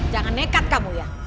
jangan nekat kamu ya